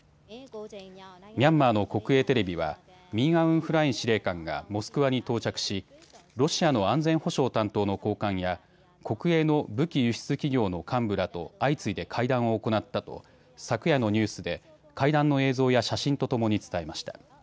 ミャンマーの国営テレビはミン・アウン・フライン司令官がモスクワに到着しロシアの安全保障担当の高官や国営の武器輸出企業の幹部らと相次いで会談を行ったと昨夜のニュースで会談の映像や写真とともに伝えました。